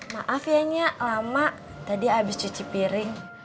maaf ya nya lama tadi habis cuci piring